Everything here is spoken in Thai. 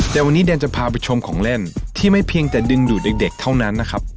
แต่วันนี้แดนจะพาไปชมของเล่นที่ไม่เพียงแต่ดึงดูดเด็กเท่านั้นนะครับ